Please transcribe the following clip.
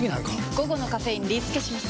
午後のカフェインリスケします！